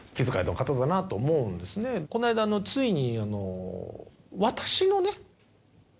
この間ついに。